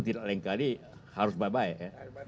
tidak lain kali harus baik baik ya